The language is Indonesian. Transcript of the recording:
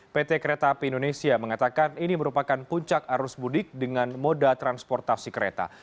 pt kereta api indonesia mengatakan ini merupakan puncak arus mudik dengan moda transportasi kereta